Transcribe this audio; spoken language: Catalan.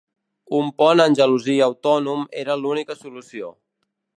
Un pont en gelosia autònom era l'única solució.